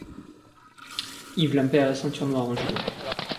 Yves Lampaert est ceinture noire en judo.